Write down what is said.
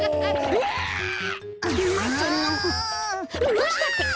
どうしたってか？